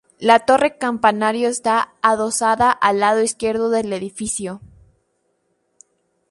La torre-campanario está adosada al lado izquierdo del edificio.